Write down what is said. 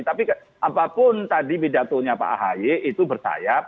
tapi apapun tadi pidatonya pak ahy itu bersayap